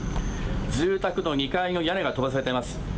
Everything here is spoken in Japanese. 住宅の２階の屋根が飛ばされています。